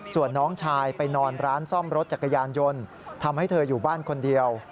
ส่วนน้องชายไปนอนร้านซ่อมรถจักรยานยนต์ทำให้เธออยู่บ้านคนเดียว